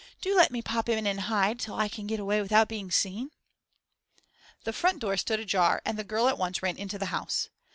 Do let me pop in and hide till I can get away without being seen.' The front door stood ajar, and the girl at once ran into the house.